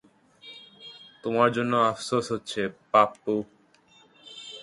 তোমার জন্য আফসোস হচ্ছে, পাপ্পু।